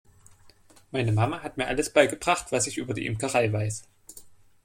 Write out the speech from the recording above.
Meine Mama hat mir alles beigebracht, was ich über die Imkerei weiß.